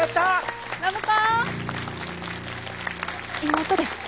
妹です。